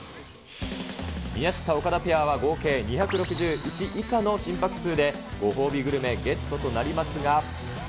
宮下・岡田ペアは、合計２６１以下の心拍数でご褒美グルメゲットとなりますが。